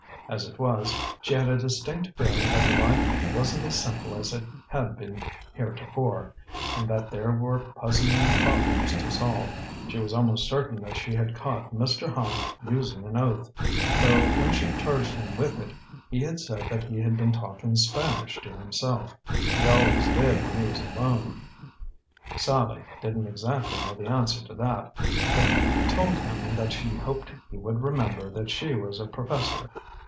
As it was, she had a distinct feeling that life wasn't as simple as it had been heretofore, and that there were puzzling problems to solve. She was almost certain that she had caught Mr. Hand using an oath; though when she charged him with it, he had said that he had been talking Spanish to himself he always did when he was alone. Sallie didn't exactly know the answer to that, but told him that she hoped he would remember that she was a professor.